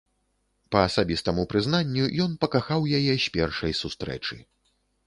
Па асабістаму прызнанню, ён пакахаў яе з першай сустрэчы.